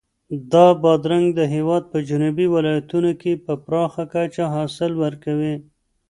دا بادرنګ د هېواد په جنوبي ولایتونو کې په پراخه کچه حاصل ورکوي.